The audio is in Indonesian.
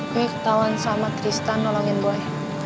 gue ketauan sama tristan nolongin gue